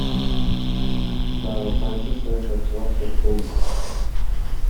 Дагы кайсы саясатчылар соттолду?